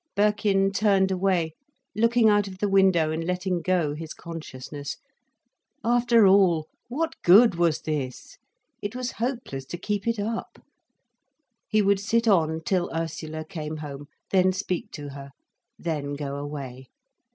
Birkin turned away, looking out of the window and letting go his consciousness. After all, what good was this? It was hopeless to keep it up. He would sit on till Ursula came home, then speak to her, then go away.